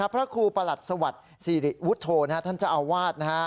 พระครูประหลัดสวรรค์สีริวุฒโธท่านจะเอาวาด